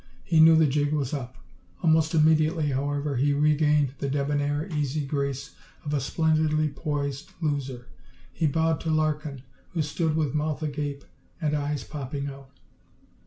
He knew the jig was up! Almost immediately, however, he regained the debonair, easy grace of a splendidly poised loser. He bowed to Larkin, who stood with mouth agape and eyes popping out.